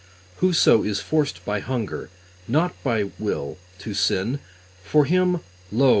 Whoso is forced by hunger, not by will, to sin: (for him) lo!